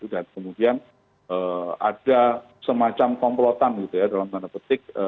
dan kemudian ada semacam komplotan gitu ya dalam tanda petik